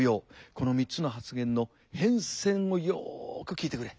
この３つの発言の変遷をよく聞いてくれ。